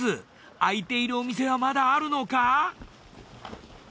開いているお店はまだあるのか？